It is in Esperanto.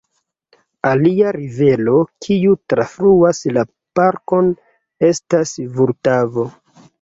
Alia rivero, kiu trafluas la parkon, estas Vultavo.